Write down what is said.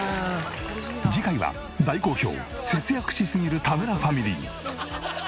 次回は大好評節約しすぎる田村ファミリー。